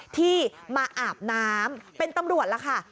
ที่มาอาบน้ำเป็นตำรวจล่ะค่ะ